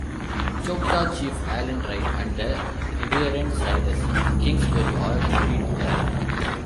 Choctaw Chief Allen Wright and the Reverend Cyrus Kingsbury are buried there.